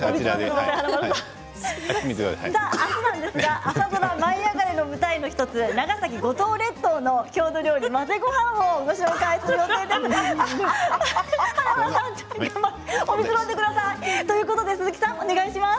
明日は朝ドラ「舞いあがれ！」の舞台の１つ長崎五島列島の郷土料理混ぜごはんをご紹介します。